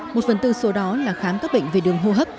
một phần tư số đó là khám các bệnh về đường hô hấp